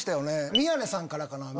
宮根さんからかな。